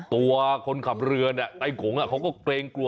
ตัวคนขับเรือไต้กงเขาก็เกรงกลัว